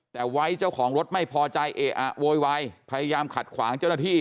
แต่ไว้เจ้าของรถไม่พอใจเอะอะโวยวายพยายามขัดขวางเจ้าหน้าที่